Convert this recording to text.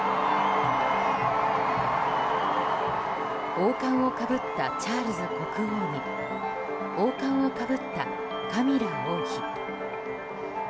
王冠をかぶったチャールズ国王に王冠をかぶったカミラ王妃。